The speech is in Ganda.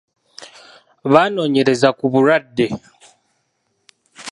Banoonyereza ku bulwadde.